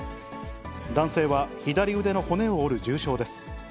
男性は、左腕の骨を折る重傷です。